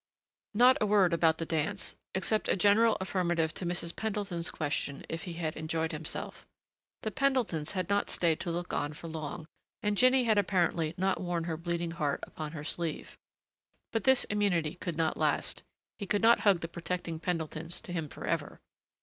Not a word about the dance except a general affirmative to Mrs. Pendleton's question if he had enjoyed himself. The Pendletons had not stayed to look on for long, and Jinny had apparently not worn her bleeding heart upon her sleeve. But this immunity could not last. He could not hug the protecting Pendletons to him forever.